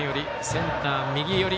センター、右寄り。